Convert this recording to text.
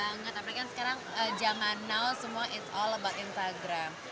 betul banget tapi kan sekarang jangan now semua it's all about instagram